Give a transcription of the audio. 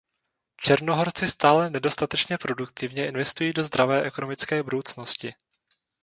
Černohorci stále nedostatečně produktivně investují do zdravé ekonomické budoucnosti.